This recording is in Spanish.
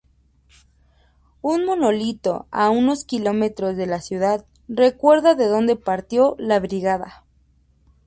Un monolito a unos kilómetros de la ciudad recuerda de donde partió la Brigada.